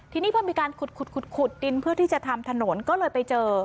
ทีนี้พอมีการขุดขุดดินเพื่อที่จะทำถนนก็เลยไปเจอ